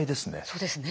そうですね。